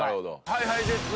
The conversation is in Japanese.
ＨｉＨｉＪｅｔｓ